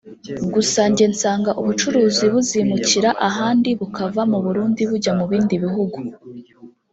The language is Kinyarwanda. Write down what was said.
gusa njye nsanga ubucuruzi buzimukira ahandi bukava mu Burundi bujya mu bindi bihugu